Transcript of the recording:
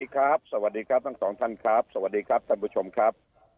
สวัสดีครับสวัสดีครับทั้งสองท่านครับสวัสดีครับท่านผู้ชมครับ